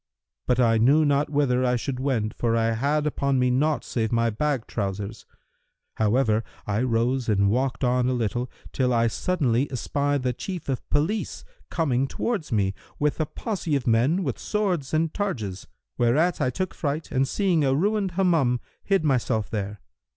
But I knew not whither I should wend, for I had upon me naught save my bag trousers.[FN#340] However, I rose and walked on a little, till I suddenly espied the Chief of Police coming towards me, with a posse of men with swords and targes;[FN#341] whereat I took fright and seeing a ruined Hammam hid myself there.